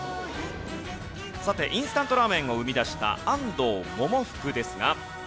さてインスタントラーメンを生み出した安藤百福ですが。